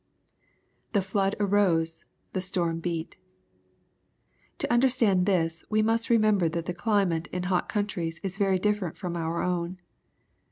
[The flood arose, the stream heai.] To understand this, we must remember that the climate in hot countries is very different from our own.